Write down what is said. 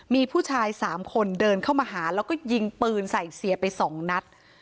มีผู้ชาย๓คนเดินเข้ามาหาแล้วก็ยิงปืนใส่เสียไป๒นัด